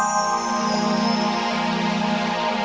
jangan lupa like share dan subscribe